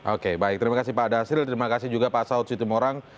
oke baik terima kasih pak dasril terima kasih juga pak saud siti morang